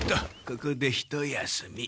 ここでひと休み。